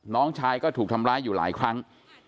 น้องชายก็ถูกทำร้ายอยู่หลายครั้ง